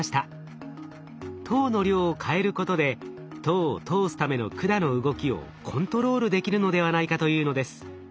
糖の量を変えることで糖を通すための管の動きをコントロールできるのではないかというのです。